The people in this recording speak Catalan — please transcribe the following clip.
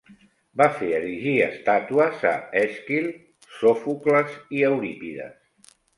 Va fer erigir estàtues a Èsquil, Sòfocles, i Eurípides.